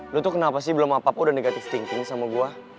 lo tuh kenapa sih belum apa apa udah negative thinking sama gue